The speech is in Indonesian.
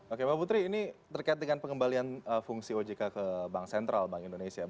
oke mbak putri ini terkait dengan pengembalian fungsi ojk ke bank sentral bank indonesia